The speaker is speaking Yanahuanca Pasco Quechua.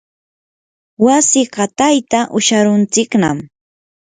wasi qatayta usharuntsiknam.